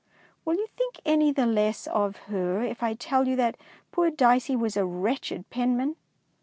Will you think any the less of her if I tell you that poor Dicey was a wretched penman?